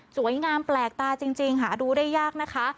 สวยงามแปลกตาจริงหาดูได้ยากนะคะ